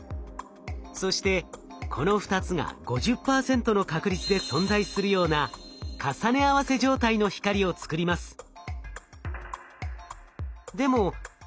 そしてこの２つが５０％の確率で存在するような重ね合わせ状態の光を作ります。